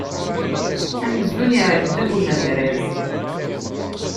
Amzun iεedda deg umehraz.